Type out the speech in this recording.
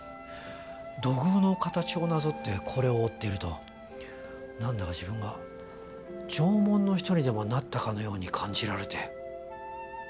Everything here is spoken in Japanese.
土偶の形をなぞってこれを折っていると何だか自分が縄文の人にでもなったかのように感じられて。